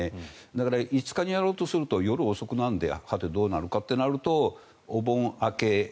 だから、５日にやろうとすると夜遅くなるのではて、どうなるかというとお盆明け。